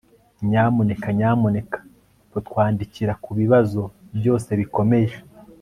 Nyamuneka nyamuneka kutwandikira kubibazo byose bikomeje